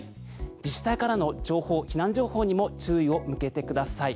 自治体からの情報、避難情報にも注意を向けてください。